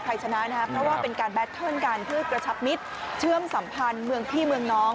เพราะว่าเป็นการแบตเทิลการพืชกระชับมิตรเชื่อมสัมพันธ์เมืองพี่เมืองน้อง